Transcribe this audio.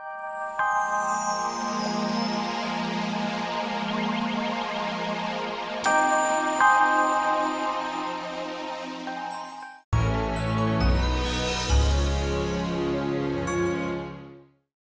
terima kasih nenek